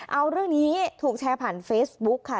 เอาเรื่องนี้ถูกแชร์ผ่านเฟซบุ๊คค่ะ